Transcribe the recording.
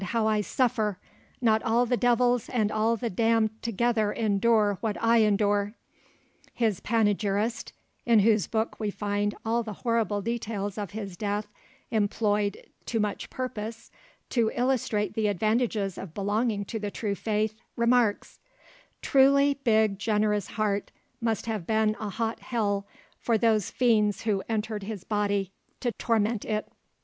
how I suffer! Not all the devils and all the damned together endure what I endure!" His panegyrist, in whose book we find all the horrible details of his death employed to much purpose to illustrate the advantages of belonging to the true faith, remarks— "Truly big generous heart must have been a hot hell for those fiends who entered his body to torment it."